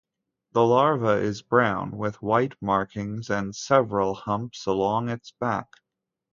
The larva is brown with white markings and several humps along its back.